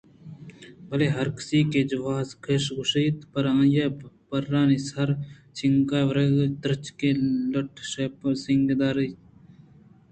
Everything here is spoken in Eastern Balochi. بلےہرکس کہ جوز ءِ کش ءَ گوٛست پرآئی ءِ برانی سَرچنگ ءُ وَرَگ ءَ درٛچکے لٹّ شاپ ءُ سِنگ ریچ کُت